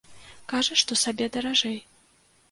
Кажа, што сабе даражэй.